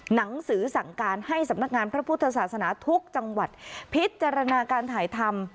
หนังสือสั่งการให้สำนักงานพระพุทธศาสนาทุกจังหวัดพิจารณาการถ่ายทำ